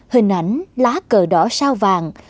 hình ảnh lá cờ đỏ sao vàng